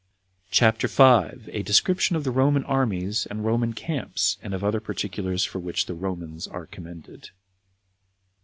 CHAPTER 5. A Description Of The Roman Armies And Roman Camps And Of Other Particulars For Which The Romans Are Commended.